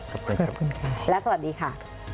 ขอบคุณค่ะและสวัสดีค่ะ